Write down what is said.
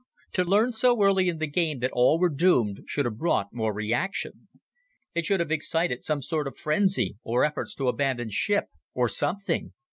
To learn so early in the game that all were doomed should have brought more reaction. It should have excited some sort of frenzy, or efforts to abandon ship, or something.